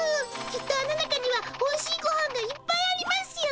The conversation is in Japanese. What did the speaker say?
きっとあの中にはおいしいごはんがいっぱいありますよ！